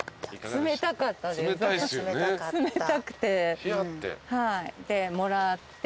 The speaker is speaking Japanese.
冷たくて。